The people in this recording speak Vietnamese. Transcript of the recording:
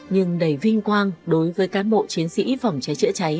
nhưng đầy vinh quang đối với cán bộ chiến sĩ phòng cháy chữa cháy